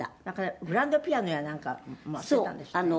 「グランドピアノやなんかも捨てたんですって？」